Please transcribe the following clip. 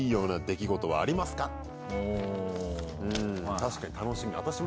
確かに楽しみ。